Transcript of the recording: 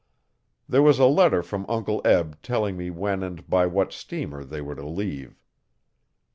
There was a letter from Uncle Eb telling me when and by what steamer they were to leave.